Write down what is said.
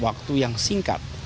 waktu yang singkat